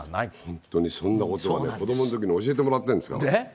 本当にそんなことを子どものときに教えてもらってるんですよ。